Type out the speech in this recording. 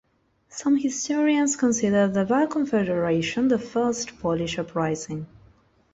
Some historians consider the Bar Confederation the first Polish uprising.